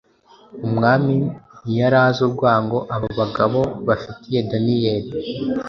Umwami ntiyari azi urwango aba bagabo bafitiye Daniyeli,